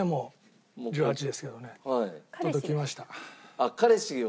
あっ彼氏を？